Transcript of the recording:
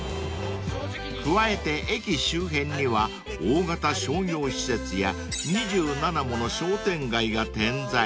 ［加えて駅周辺には大型商業施設や２７もの商店街が点在］